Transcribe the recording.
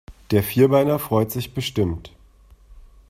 Der Vierbeiner freut sich bestimmt.